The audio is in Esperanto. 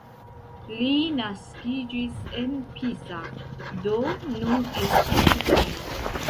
Li naskiĝis en Pisa, do nun estas -jara.